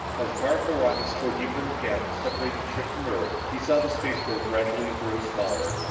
As the powerful rockets tore deeper into the gap that separated the ship from Earth, he saw the spaceport gradually grow smaller.